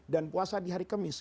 dan puasa di hari kemis